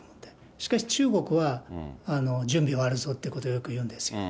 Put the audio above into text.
しかし中国は、準備はあるぞということはよく言うんですよ。